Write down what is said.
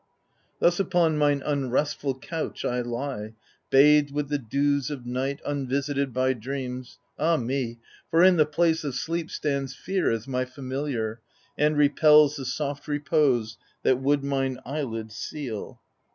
Thus upon mine unrestfiil couch I lie. Bathed with the dews of night, un visited By dreams — ah me 1 — for in the place of sleep Stands Fear as my familiar, and repels The soft repose that would mine eyelids seal.